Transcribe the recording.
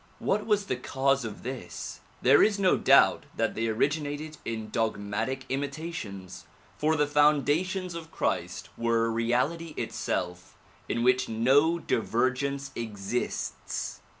What was the cause of this? There is no doubt that they originated in dogmatic imitations, for the foundations of Christ were reality itself in which no divergence exists.